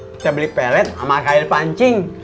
kita beli pellet sama kail pancing